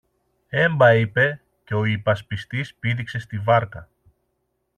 Έμπα, είπε, και ο υπασπιστής πήδηξε στη βάρκα.